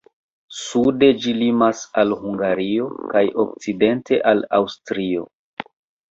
Sude ĝi limas al Hungario kaj okcidente al Aŭstrio.